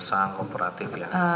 sangat kooperatif ya